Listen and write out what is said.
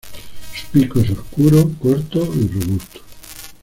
Su pico es oscuro, corto y robusto.